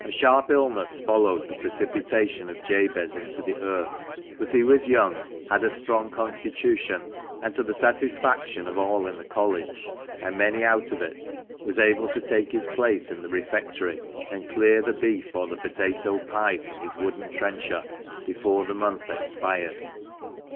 SHARP illness followed the precipitation of Jabez into the Irk ; but he was young, had a strong constitution, and, to the satisfaction of all in the College, and many out of it, was able to take his place in the refectory, and clear the beef or the potato pie from his wooden trencher before the month expired.